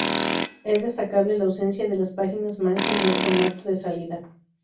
Es destacable la ausencia de las páginas man como formato de salida.